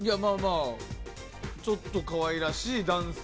ちょっと可愛らしい男性。